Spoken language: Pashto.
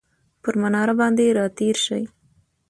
پر مناره باندې راتیرشي،